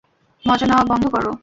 মজা নেওয়া বন্ধ কর।